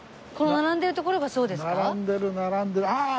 並んでる並んでるああ！